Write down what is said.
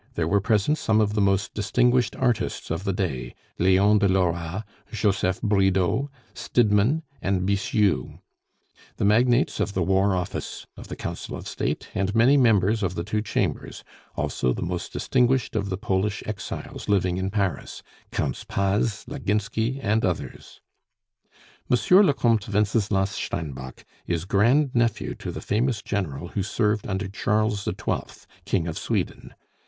There were present some of the most distinguished artists of the day: Leon de Lora, Joseph Bridau, Stidmann, and Bixiou; the magnates of the War Office, of the Council of State, and many members of the two Chambers; also the most distinguished of the Polish exiles living in Paris: Counts Paz, Laginski, and others. "Monsieur le Comte Wenceslas Steinbock is grandnephew to the famous general who served under Charles XII., King of Sweden.